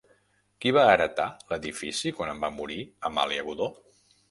Qui va heretar l'edifici quan va morir Amàlia Godó?